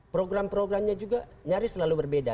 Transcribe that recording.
program programnya juga nyaris selalu berbeda